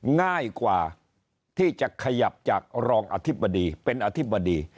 ง่ายกว่าที่จะขยับจากรองอธิบดีเป็นอธิบดี